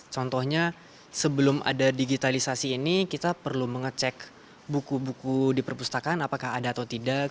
contohnya sebelum ada digitalisasi ini kita perlu mengecek buku buku di perpustakaan apakah ada atau tidak